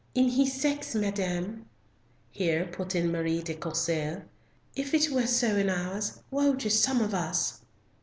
"In his sex, madam," here put in Marie de Courcelles. "If it were so in ours, woe to some of us."